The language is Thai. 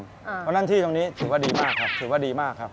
เพราะฉะนั้นที่ตรงนี้ถือว่าดีมากครับถือว่าดีมากครับ